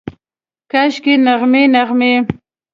کاشکي، نغمې، نغمې